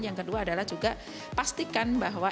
yang kedua adalah juga pastikan bahwa